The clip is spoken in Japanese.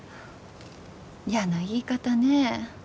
嫌な言い方ね